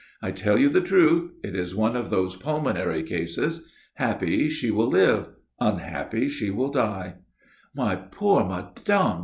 "I tell you the truth. It is one of those pulmonary cases. Happy, she will live; unhappy, she will die." "My poor Mme.